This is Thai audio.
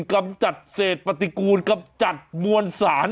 กำจัดเศษปฏิกูลกำจัดมวลสาร